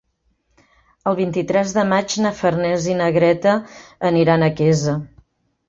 El vint-i-tres de maig na Farners i na Greta aniran a Quesa.